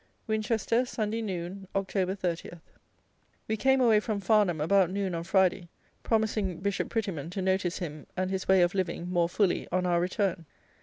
Winchester, Sunday noon, Oct. 30. We came away from Farnham about noon on Friday, promising Bishop Prettyman to notice him and his way of living more fully on our return.